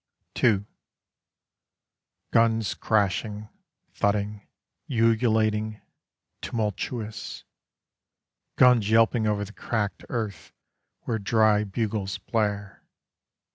II Guns crashing, Thudding, Ululating, Tumultuous. Guns yelping over the cracked earth, Where dry bugles blare.